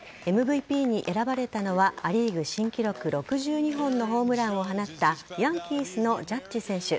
ＭＶＰに選ばれたのはア・リーグ新記録６２本のホームランを放ったヤンキースのジャッジ選手。